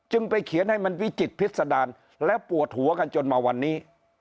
ไปเขียนให้มันวิจิตพิษดารและปวดหัวกันจนมาวันนี้